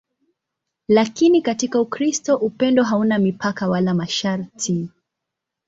Lakini katika Ukristo upendo hauna mipaka wala masharti.